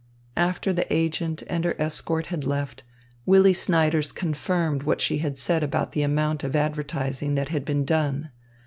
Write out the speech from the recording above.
After the agent and her escort had left, Willy Snyders confirmed what she had said about the amount of advertising that had been done.